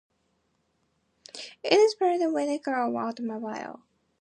It is the principal mineral of amphibolites.